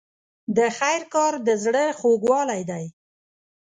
د خیر کار د زړه خوږوالی دی.